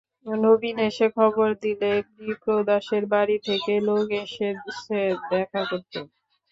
নবীন এসে খবর দিলে বিপ্রদাসের বাড়ি থেকে লোক এসেছে দেখা করতে।